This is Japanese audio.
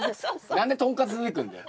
何でとんかつ出てくんだよ。